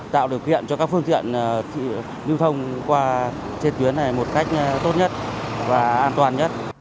tạo điều kiện cho các phương tiện lưu thông qua trên tuyến này một cách tốt nhất và an toàn nhất